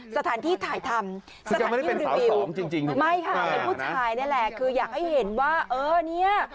สถานที่ถ่ายทำสถานที่หรือเปล่าไม่ค่ะเป็นผู้ชายนั่นแหละคืออยากให้เห็นว่าเออเนี่ย